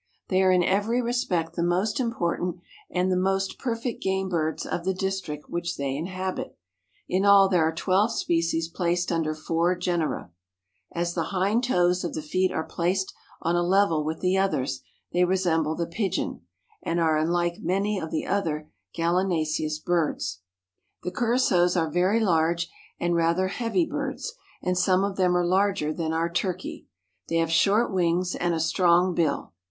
They are in every respect the most important and the most perfect game birds of the district which they inhabit. In all there are twelve species placed under four genera. As the hind toes of the feet are placed on a level with the others they resemble the pigeon and are unlike many of the other gallinaceous birds. The Curassows are very large and rather heavy birds and some of them are larger than our turkey. They have short wings and a strong bill.